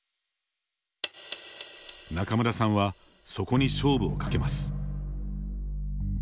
仲邑さんはそこに勝負をかけます。